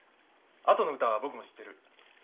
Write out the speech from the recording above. あとの歌は僕も知ってる。